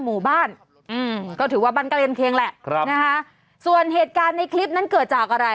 อือก็ถือว่าบ้านเกรนเคียงแหละส่วนเหตุการณ์คลิปนี้เกิดจากอะไร